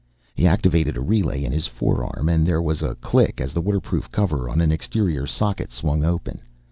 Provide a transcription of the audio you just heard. He activated a relay in his forearm and there was a click as the waterproof cover on an exterior socket swung open.